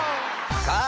さあ